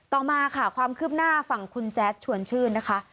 ต่อมาค่ะความคืบหน้าฝั่งคุณแจ๊ดชวนชื่นนะคะ